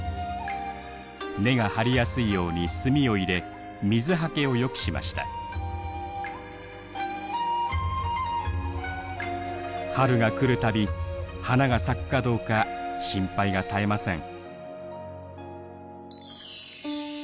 根が張りやすいように炭を入れ水はけをよくしました春が来るたび花が咲くかどうか心配が絶えません